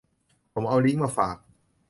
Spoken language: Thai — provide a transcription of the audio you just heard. ผมเอาลิงค์มาฝาก